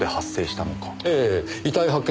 ええ遺体発見